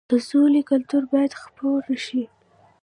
د سولې کلتور باید خپور شي.